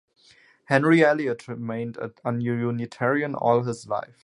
Henry Eliot remained a Unitarian all his life.